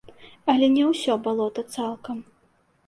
Але не ўсё балота цалкам.